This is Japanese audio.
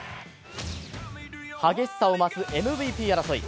激しさを増すＭＶＰ争い